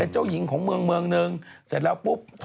เป็นเจ้าหญิงของเมืองนึงเสร็จแล้วปุ๊บท้อ